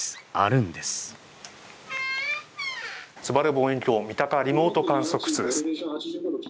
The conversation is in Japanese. すばる望遠鏡三鷹リモート観測室です。